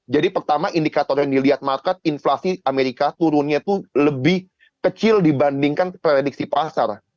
jadi pertama indikator yang dilihat market inflasi amerika turunnya itu lebih kecil dibandingkan prediksi pasar